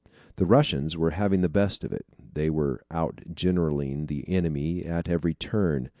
The Russians were having the best of it. They were out generalling the enemy at every turn.